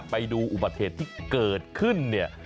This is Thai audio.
ไปดูอุบัติเหตุที่เกิดขึ้นเนี่ย